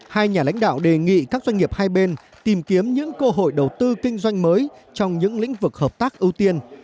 hai nhà lãnh đạo đề nghị các doanh nghiệp hai bên tìm kiếm những cơ hội đầu tư kinh doanh mới trong những lĩnh vực hợp tác ưu tiên